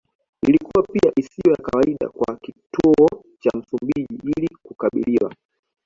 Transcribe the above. Ilikuwa pia isiyo ya kawaida kwa Kituo cha Msumbiji ili kukabiliwa